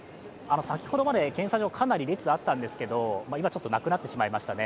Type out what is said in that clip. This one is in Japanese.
先ほどまで検査場、かなり列があったんですけど今、ちょっとなくなってしまいましたね。